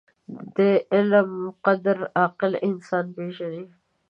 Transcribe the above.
• د علم قدر، عاقل انسان پېژني.